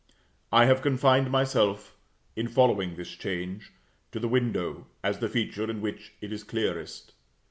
I have confined myself, in following this change, to the window, as the feature in which it is clearest.